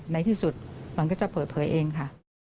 ในที่สุดมันก็จะเปิดเผยเองค่ะ